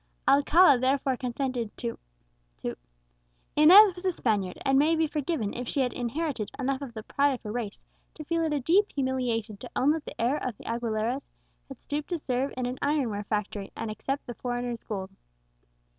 Alcala therefore consented to to" Inez was a Spaniard, and may be forgiven if she had inherited enough of the pride of her race to feel it a deep humiliation to own that the heir of the Aguileras had stooped to serve in an ironware factory, and accept the foreigner's gold.